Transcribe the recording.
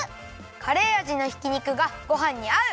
カレーあじのひき肉がごはんにあう！